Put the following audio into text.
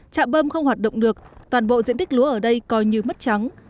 nếu không hoạt động được toàn bộ diện tích lúa ở đây coi như mất trắng